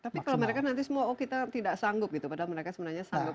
tapi kalau mereka nanti semua oh kita tidak sanggup gitu padahal mereka sebenarnya sanggup